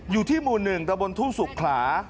อยู่ที่หมู่หนึ่งตะบนทู่สุขคลา